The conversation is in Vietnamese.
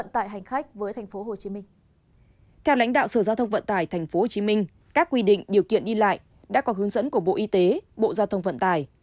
theo lãnh đạo sở giao thông vận tải tp hcm các quy định điều kiện đi lại đã có hướng dẫn của bộ y tế bộ giao thông vận tải